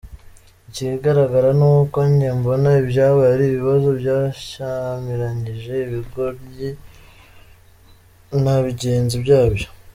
Ikigaragara ni uko njye mbona, ibyabaye ari ibibazo byashyamiranyije ibigoryi na bigenzi byabyo.